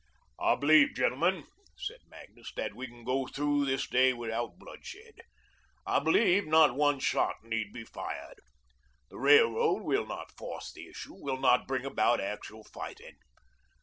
"I believe, gentlemen," said Magnus, "that we can go through this day without bloodshed. I believe not one shot need be fired. The Railroad will not force the issue, will not bring about actual fighting.